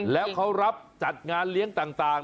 แล้วเขารับจัดงานเลี้ยงต่าง